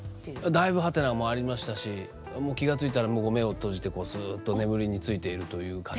だいぶハテナもありましたし気が付いたら目を閉じてすっと眠りについているという感じでしたから。